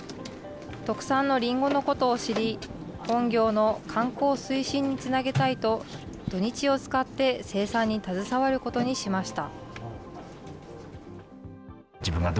特産のりんごのことを知り、本業の観光推進につなげたいと、土日を使って生産に携わることにしました。